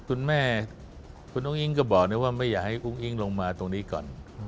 คุณแม่คุณอุ้งอิงก็บอกว่าไม่อยากให้อุ้งอิ๊งลงมาตรงนี้ก่อน